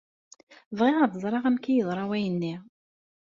Bɣiɣ ad ẓreɣ amek yeḍra wayen-nni.